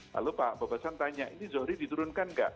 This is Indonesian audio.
lalu pak bobasan tanya ini zohri diturunkan nggak